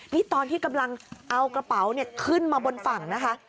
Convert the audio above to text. นี่ตอนที่กำลังเอากระเป๋าขึ้นมาบนฝั่งนะคะ